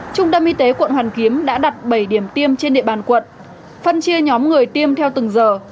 trung tâm y tế quận hoàn kiếm đã đặt bảy điểm tiêm trên địa bàn quận phân chia nhóm người tiêm theo từng giờ